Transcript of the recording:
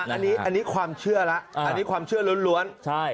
อ่ะอันนี้อันนี้ความเชื่อละอ่าอันนี้ความเชื่อล้วนล้วนใช่